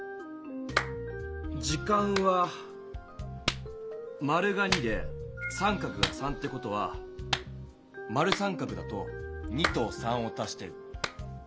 時間は○が２で△が３って事は○△だと２と３を足して５。